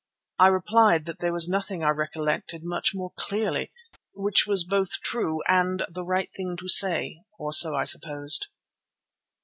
I replied that there was nothing I recollected much more clearly, which was both true and the right thing to say, or so I supposed.